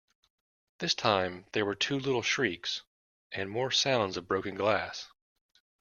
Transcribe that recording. This time there were two little shrieks, and more sounds of broken glass.